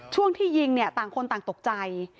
ช่วงที่ยิงต่างคนต่างตกใจ